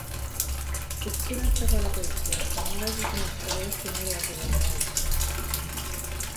薄くなったからといって、必ずしも使いやすくなるわけではない